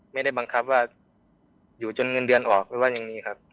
ไม่ได้บังคับว่าอยู่จนเงินเดือนออกไม่ว่าอย่างนี้ครับ